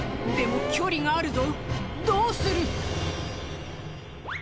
でも距離があるぞどうする？